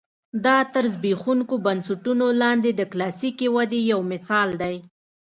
دا تر زبېښونکو بنسټونو لاندې د کلاسیکې ودې یو مثال دی.